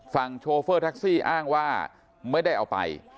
โชเฟอร์แท็กซี่อ้างว่าไม่ได้เอาไป